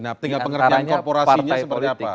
nah tinggal pengerjaan korporasinya seperti apa